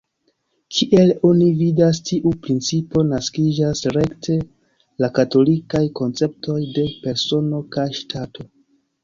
Kiel oni vidas tiu principo naskiĝas rekte la katolikaj konceptoj de "persono" kaj "ŝtato".